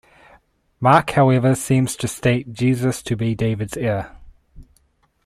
Mark however seems to state Jesus to be David's heir.